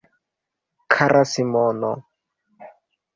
Kara Simono.